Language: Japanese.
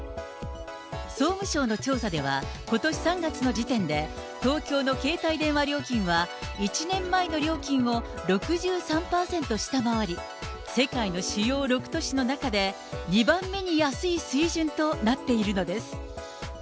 総務省の調査では、ことし３月の時点で、東京の携帯電話料金は１年前の料金を６３％下回り、世界の主要６都市の中で２番目に安い水準となっているのです。